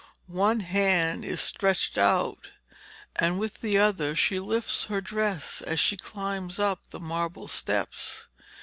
One hand is stretched out, and with the other she lifts her dress as she climbs up the marble steps.